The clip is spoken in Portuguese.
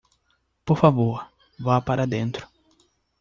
Por favor, vá para dentro